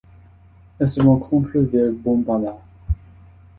Elle se rencontre vers Bombala.